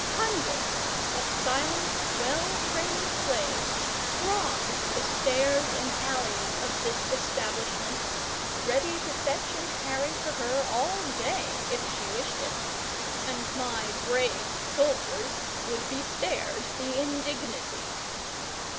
Hundreds of silent, well trained slaves thronged the stairs and alleys of this establishment, ready to fetch and carry for her all day, if she wished it; and my brave soldiers would be spared the indignity.